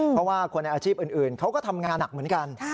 เพราะว่าคนในอาชีพอื่นเขาก็ทำงานหนักเหมือนกัน